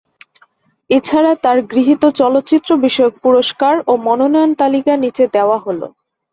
এছাড়া তার গৃহীত চলচ্চিত্র বিষয়ক পুরস্কার ও মনোনয়ন তালিকা নিচে দেওয়া হল।